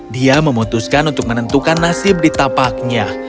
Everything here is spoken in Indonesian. dia memutuskan untuk menentukan nasib di tapaknya